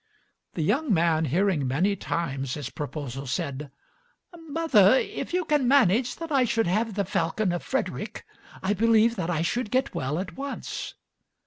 The young man, hearing many times this proposal, said: "Mother, if you can manage that I should have the falcon of Frederick, I believe that I should get well at once."